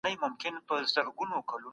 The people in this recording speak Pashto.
علمي ليکنې بايد دقيقې وي.